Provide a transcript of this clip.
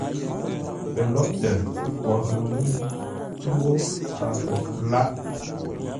Pəlóghʼtə pwor no mə́u ńgó paghʼə lághʼ.